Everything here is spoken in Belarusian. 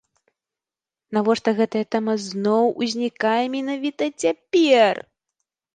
Навошта гэтая тэма зноў узнікае менавіта цяпер?